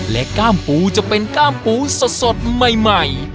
และกล้ามปูจะเป็นกล้ามปูสดใหม่